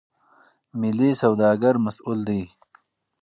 ملي سوداګر مسئول دي.